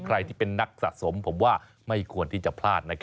ใครที่เป็นนักสะสมผมว่าไม่ควรที่จะพลาด